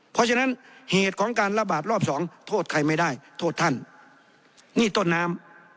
เพราะฉะนั้นเหตุของการระบาดรอบสองโทษใครไม่ได้โทษท่านนี่ต้นน้ำ